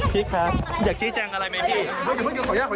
พี่อยากใช้แจงอะไรไหมพี่